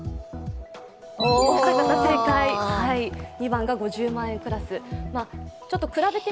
２番が５０万円クラスでした。